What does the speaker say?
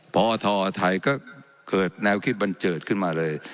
พอทไทยก็เกิดแนวคิดบันเจิดขึ้นมาเลย